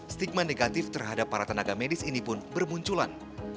stigma negatif terhadap para tenaga medis ini pun bermunculan